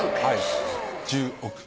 はい１０億。